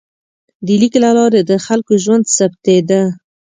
د لیک له لارې د خلکو ژوند ثبتېده.